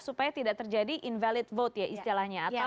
supaya tidak terjadi invalid vote ya istilahnya